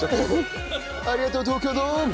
ありがとう東京ドーム！